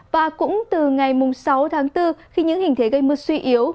và cũng từ ngày sáu tháng bốn khi những hình thế gây mưa suy yếu